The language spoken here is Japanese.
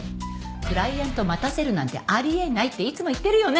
クライアント待たせるなんてあり得ないっていつも言ってるよね？